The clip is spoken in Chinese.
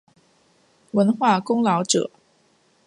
文化功劳者。